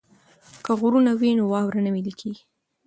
که غرونه وي نو واوره نه ویلی کیږي.